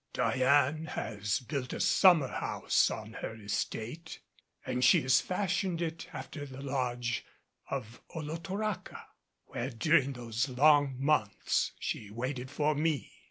Diane has built a summer house on her estate, and she has fashioned it after the lodge of Olotoraca, where during those long months she waited for me.